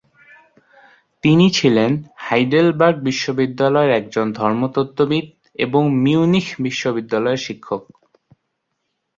তিনি ছিলেন হাইডেলবার্গ বিশ্ববিদ্যালয়ের একজন ধর্মতত্ত্ববিদ এবং মিউনিখ বিশ্ববিদ্যালয়ে শিক্ষক।